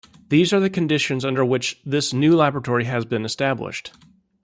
These are the conditions under which this new laboratory has been established.